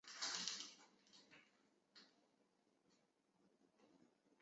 晶粒是指微小的或微米尺度的晶体。